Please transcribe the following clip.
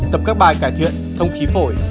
tập các bài cải thiện thông khí phổi